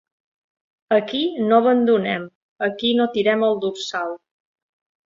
Aquí no abandonem, aquí no tirem el dorsal.